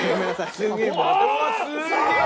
すげえ！